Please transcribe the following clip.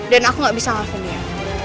dan aku gak bisa ngelafon dia